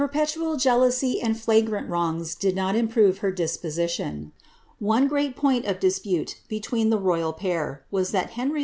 petual jealousy and flagrant wrongrg did not improve her disposition. One great point of dispute between the royal pair, was that Henry IV.